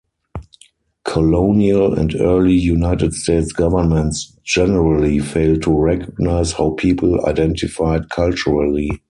Colonial and early United States governments generally failed to recognize how people identified culturally.